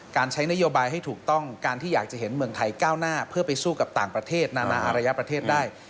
การใช้นโยบายให้ถูกต้องการที่อยากจะเห็นเมืองไทยก้าวหน้าเพื่อไปสู้กับต่างประเทศนานาอารยประเทศได้